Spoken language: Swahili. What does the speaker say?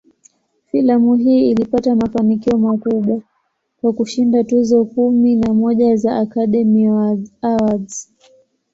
Filamu hii ilipata mafanikio makubwa, kwa kushinda tuzo kumi na moja za "Academy Awards".